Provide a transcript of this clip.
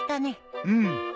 うん。